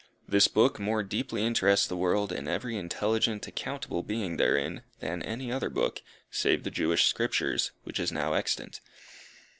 This book more deeply interests the world, and every intelligent, accountable being therein, than any other book, save the Jewish Scriptures, which is now extant.